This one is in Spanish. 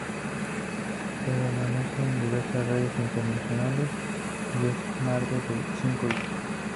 Pertenece a diversas redes internacionales y es madre de cinco hijos.